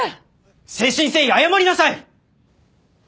誠心誠意謝りなさい！